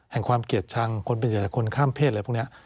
แห่งความเกียจชั้นคนเป็นเหยื่อจากคนข้ามเพศอะไรพวกนี้